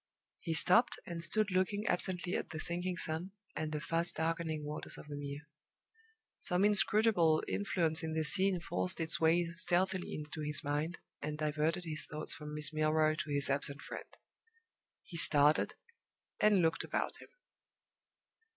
He stopped, and stood looking absently at the sinking sun, and the fast darkening waters of the Mere. Some inscrutable influence in the scene forced its way stealthily into his mind, and diverted his thoughts from Miss Milroy to his absent friend. He started, and looked about him.